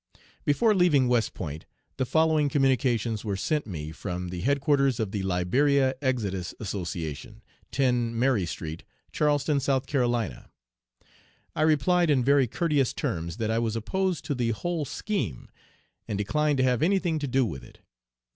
Before leaving West Point the following communications were sent me from the head quarters of the Liberia Exodus Association, 10 Mary Street, Charleston S.C. I replied in very courteous terms that I was opposed to the whole scheme, and declined to have any thing to do with it.